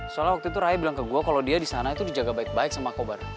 soalnya waktu itu raya bilang ke gue kalau dia di sana itu dijaga baik baik sama kobar